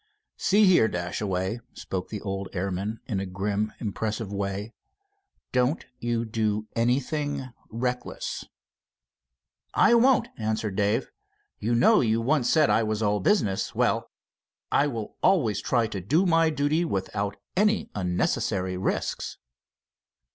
"See here, Dashaway," spoke the old airman in a grim, impressive way, "don't you do anything reckless." "I won't," answered Dave. "You know you once said I was all business. Well, I'll always try to do my duty without any unnecessary risks."